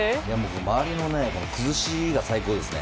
周りの崩しが最高ですね。